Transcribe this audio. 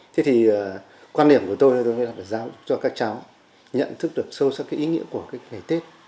thế thì quan điểm của tôi là phải giáo cho các cháu nhận thức được sâu sắc cái ý nghĩa của cái ngày tết